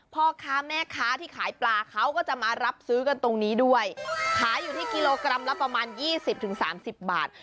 พ่อค้าแม่ค้าที่ขายปลาเขาก็จะมารับซื้อกันตรงนี้ด้วยขายอยู่ที่กิโลกรัมละประมาณยี่สิบถึงสามสิบบาท